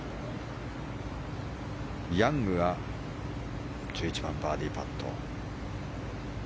ヤングが１１番、バーディーパット。